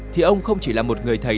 thì ông không chỉ là một người thầy